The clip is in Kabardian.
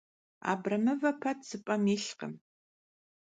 Абрэмывэ пэт зы пӀэм илъкъым.